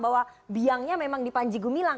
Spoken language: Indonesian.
bahwa biangnya memang di panji gumilang